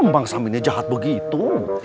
bang samin nya jahat begitu